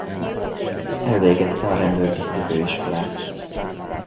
Elvégezte a Rendőrtiszti Főiskolát.